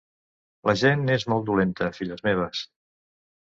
La gent és molt dolenta, filles meves.